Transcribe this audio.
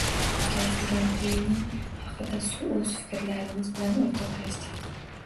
O'tkazilgan trening haqida o'z fikrlarimiz bilan o'rtoqlashdik.